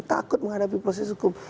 takut menghadapi proses hukum